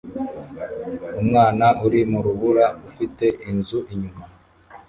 Umwana uri mu rubura ufite inzu inyuma